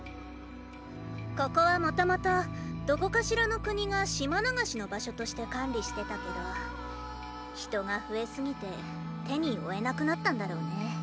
ここは元々どこかしらの国が島流しの場所として管理してたけど人が増えすぎて手に負えなくなったんだろうね。